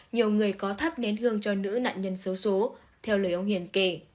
nhiều người có thắp nến hương cho nữ nạn nhân xấu xố theo lời ông hiển kể